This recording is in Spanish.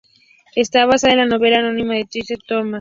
Está basada en la novela homónima de Trisha R. Thomas.